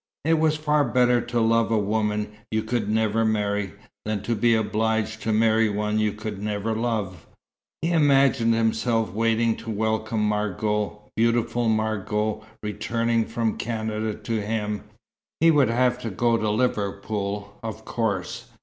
It was far better to love a woman you could never marry, than to be obliged to marry one you could never love. He imagined himself waiting to welcome Margot, beautiful Margot, returning from Canada to him. He would have to go to Liverpool, of course.